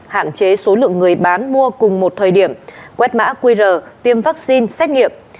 hạn chế số lượng người bán mua cùng một thời điểm quét mã qr tiêm vaccine xét nghiệm